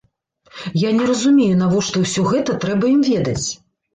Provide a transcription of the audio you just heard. Я не разумею, навошта ўсё гэта трэба ім ведаць.